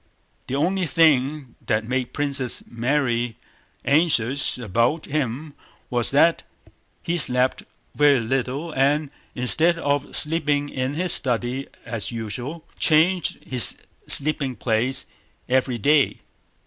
The only thing that made Princess Mary anxious about him was that he slept very little and, instead of sleeping in his study as usual, changed his sleeping place every day.